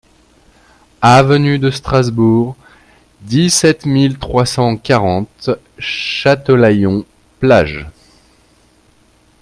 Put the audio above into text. Avenue de Strasbourg, dix-sept mille trois cent quarante Châtelaillon-Plage